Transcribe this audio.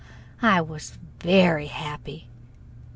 I was very happy.